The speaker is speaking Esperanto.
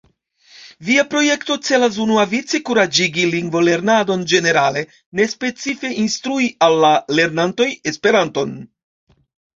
Via projekto celas unuavice kuraĝigi lingvolernadon ĝenerale, ne specife instrui al la lernantoj Esperanton.